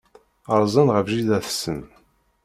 Rzan ɣef jida-tsen.